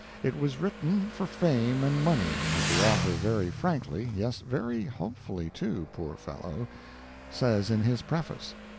It was written for fame and money, as the author very frankly yes, and very hopefully, too, poor fellow says in his preface.